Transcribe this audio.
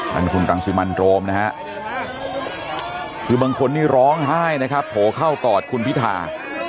นั่นคุณรังสิมันโรมนะฮะคือบางคนนี่ร้องไห้นะครับโผล่เข้ากอดคุณพิธา